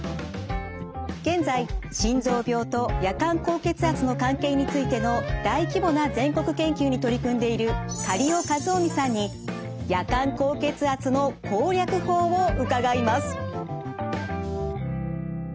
現在心臓病と夜間高血圧の関係についての大規模な全国研究に取り組んでいる苅尾七臣さんに夜間高血圧の攻略法を伺います。